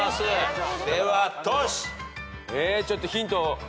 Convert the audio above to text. ちょっとヒント下さい。